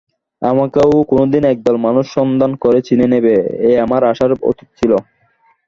আমাকেও কোনোদিন একদল মানুষ সন্ধান করে চিনে নেবে, এ আমার আশার অতীত ছিল।